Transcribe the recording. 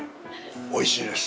おいしいです。